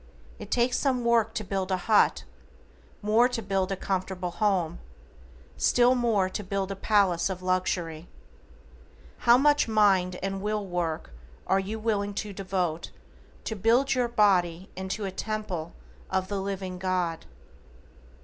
It takes some WORK to build a hut, more to build a comfortable home, still more to build a palace of luxury. How much MIND AND WILL WORK are you willing to devote to build your body into a Temple of the living God?